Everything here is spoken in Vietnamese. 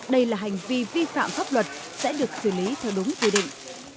đây là hành vi vi phạm pháp luật sẽ được xử lý theo đúng quy định